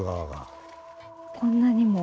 こんなにも？